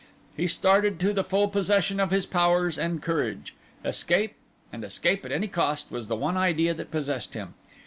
He started to the full possession of his powers and courage. Escape, and escape at any cost, was the one idea that possessed him.